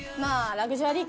ラグジュアリー。